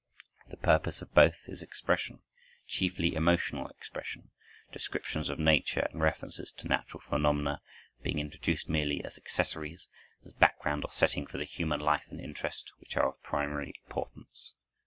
The purpose of both is expression, chiefly emotional expression, descriptions of nature and references to natural phenomena being introduced merely as accessories, as background or setting for the human life and interest, which are of primary importance.